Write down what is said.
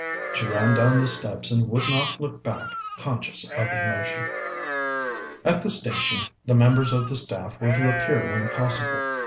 She ran down the steps and would not look back, conscious of emotion. At the station the members of the staff were to appear when possible.